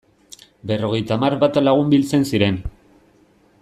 Berrogeita hamar bat lagun biltzen ziren.